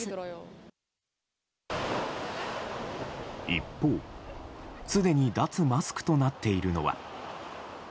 一方、すでに脱マスクとなっているのは。